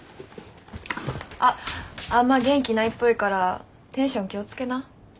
あっあんま元気ないっぽいからテンション気を付けな。